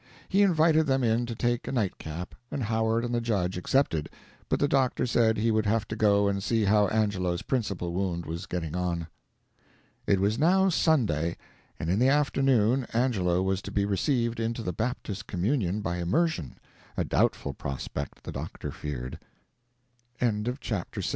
He invited them in to take a nightcap, and Howard and the judge accepted, but the doctor said he would have to go and see how Angelo's principal wound was getting on. [It was now Sunday, and in the afternoon Angelo was to be received into the Baptist communion by immersion a doubtful prospect, the doctor feared.] CHAPTER VII.